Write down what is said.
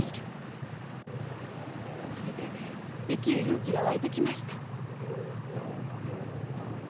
それで生きる勇気が湧いてきました。